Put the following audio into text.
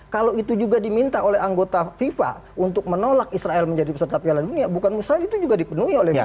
kalau itu juga diminta oleh anggota fifa untuk menolak israel menjadi peserta piala dunia bukan musa itu juga dipenuhi oleh fifa